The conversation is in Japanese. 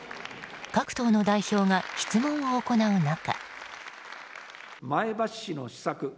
各党の代表が質問を行う中。